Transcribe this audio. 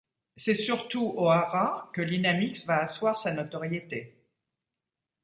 C'est surtout au haras que Linamix va asseoir sa notoriété.